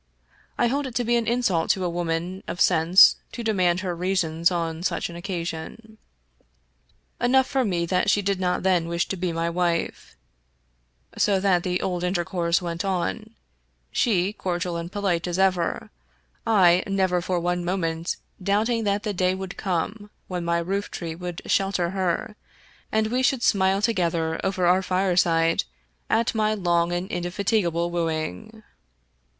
I hold it to be an insult to a woman of sense to demand her reasons on such an occasion. Enough for me that she did not then wish to be my wife ; so that the old intercourse went on — she cor dial and polite as ever, I never for one moment doubting that the day would come when my roof tree would shelter her, and we should smile together over our fireside at my long and indefatigable wooing.